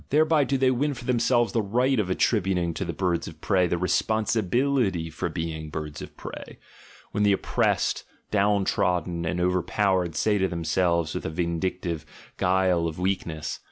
Thereby do they win for themselves the ht of attributing to the birds of prey the responsibility for being birds of prey: when the oppressed, down trodden, and overpowered say to themselves with 1 \ indictive guile of weakness.